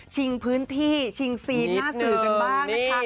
พื้นที่ชิงซีนหน้าสื่อกันบ้างนะคะ